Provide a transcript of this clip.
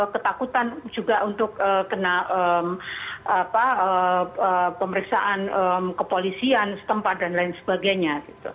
ketakutan juga untuk kena pemeriksaan kepolisian setempat dan lain sebagainya